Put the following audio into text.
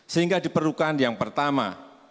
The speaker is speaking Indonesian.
sehingga diperlukan yang pertama